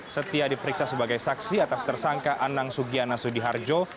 setia diperiksa sebagai saksi atas tersangka anang sugiana sudiharjo